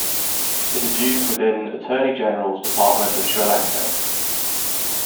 It is used within the Attorney-General's Department of Sri Lanka.